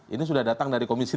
ini sudah datang dari komisi tiga